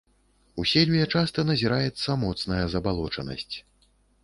У сельве часта назіраецца моцная забалочанасць.